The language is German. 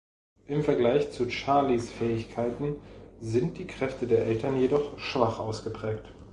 Im Vergleich zu Charlies Fähigkeiten sind die Kräfte der Eltern jedoch schwach ausgeprägt.